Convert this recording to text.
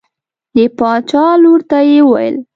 د باچا لور ته یې وویل.